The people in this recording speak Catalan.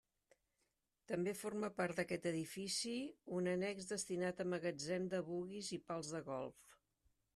També forma part d'aquest edifici un annex destinat a magatzem de buguis i pals de golf.